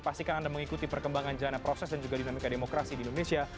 pastikan anda mengikuti perkembangan jalanan proses dan juga dinamika demokrasi di indonesia